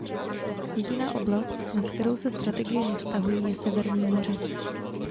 Jediná oblast, na kterou se strategie nevztahují, je Severní moře.